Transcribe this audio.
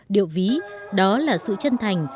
điệu ví đó là sự chân thành